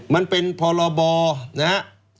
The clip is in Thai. มันเป็นพรบนะครับ